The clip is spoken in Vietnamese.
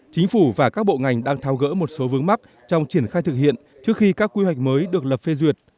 chính phủ và các bộ ngành đang thao gỡ một số vướng mắt trong triển khai thực hiện trước khi các quy hoạch mới được lập phê duyệt